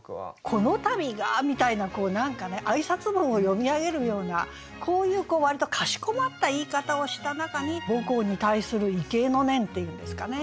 「このたびが」みたいなこう何かね挨拶文を読み上げるようなこういう割とかしこまった言い方をした中に母校に対する畏敬の念っていうんですかね。